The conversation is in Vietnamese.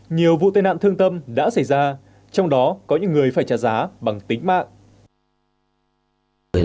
nhiều vụ tai nạn thương tâm đã xảy ra trong đó có những người phải trả giá bằng tính mạng